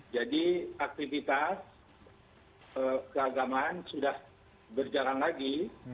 jadi aktivitas keagamaan sudah berjalan lagi